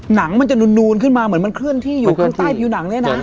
หนังมันจะนูนขึ้นมาเหมือนมันเคลื่อนที่อยู่ข้างใต้ผิวหนังเนี่ยนะ